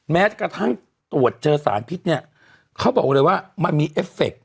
แม้กระทั่งตรวจเจอสารพิษเนี่ยเขาบอกเลยว่ามันมีเอฟเฟค